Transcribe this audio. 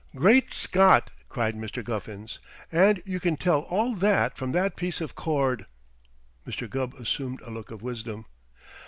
"Great Scott!" cried Mr. Guffins. "And you can tell all that from that piece of cord!" Mr. Gubb assumed a look of wisdom.